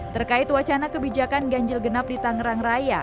terkait wacana kebijakan ganjil genap di tangerang raya